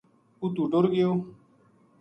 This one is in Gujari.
اُتو ٹر گیو